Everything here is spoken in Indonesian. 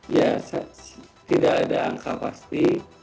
ya tidak ada angka pasti